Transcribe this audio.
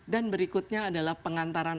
dan berikutnya adalah pengantaran